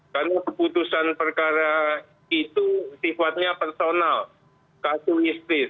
karena keputusan perkara itu sifatnya personal casuistis